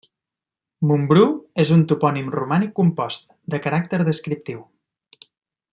Montbrú és un topònim romànic compost, de caràcter descriptiu.